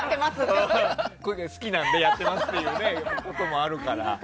好きなんでやってますっていうこともあるから。